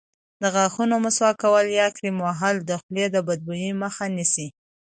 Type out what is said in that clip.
د غاښونو مسواک کول یا کریم وهل د خولې د بدبویۍ مخه نیسي.